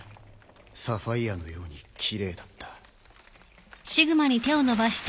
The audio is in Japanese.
サファイアのように奇麗だった。